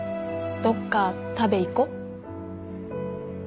どっか食べ行こ。